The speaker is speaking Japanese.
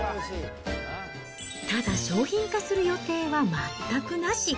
ただ、商品化する予定は全くなし。